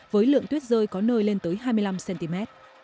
với lượng tuyết rơi có nơi lên tới hai mươi năm cm